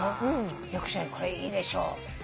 読書にこれいいでしょ。